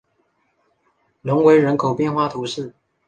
隆维人口变化图示